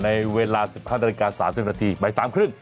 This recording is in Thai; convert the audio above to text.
ในเวลา๑๕น๓ที่๓๓๐วัน